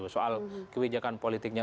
soal kewijakan politiknya